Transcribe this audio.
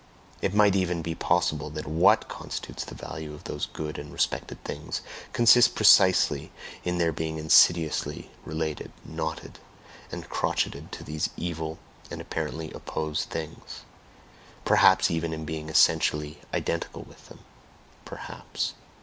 It might even be possible that WHAT constitutes the value of those good and respected things, consists precisely in their being insidiously related, knotted, and crocheted to these evil and apparently opposed things perhaps even in being essentially identical with them. Perhaps!